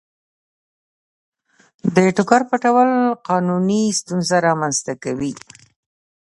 د ټکر پټول قانوني ستونزه رامنځته کوي.